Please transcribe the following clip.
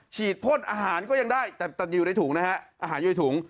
พ่นอาหารก็ยังได้แต่อยู่ในถุงนะฮะอาหารอยู่ในถุง